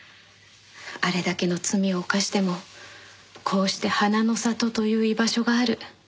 あれだけの罪を犯してもこうして花の里という居場所がある。